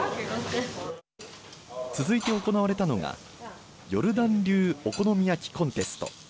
続いて行われたのがヨルダン流お好み焼きコンテスト。